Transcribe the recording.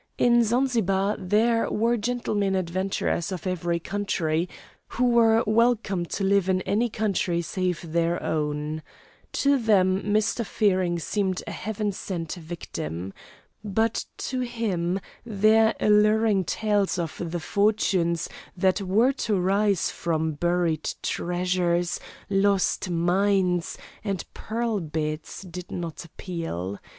In Zanzibar there were gentlemen adventurers of every country, who were welcome to live in any country save their own. To them Mr. Fearing seemed a heaven sent victim. But to him their alluring tales of the fortunes that were to rise from buried treasures, lost mines, and pearl beds did not appeal.